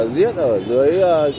giết ở dưới